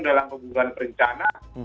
dalam penggunaan perencanaan